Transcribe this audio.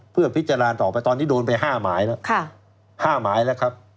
เพื่อพิจารณ์ต่อไปตอนนี้โดนไป๕หมายแล้ว